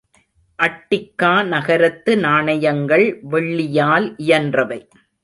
அட்டிக்கா நகரத்து நாணயங்கள் வெள்ளியால் இயன்றவை.